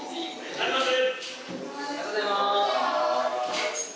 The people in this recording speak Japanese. ありがとうございます。